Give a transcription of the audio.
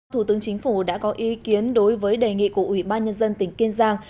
thủ tướng chính phủ đã có ý kiến đối với đề nghị của ủy ban nhân dân tỉnh kiên giang